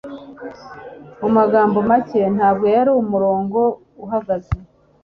Mu magambo make, ntabwo yari umurongo uhagaze.